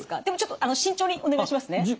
でもちょっと慎重にお願いしますね。